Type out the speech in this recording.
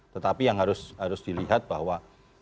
tetapi yang harus dilihat bahwa